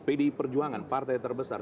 pdi perjuangan partai terbesar